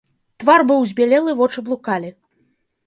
Твар быў збялелы, вочы блукалі.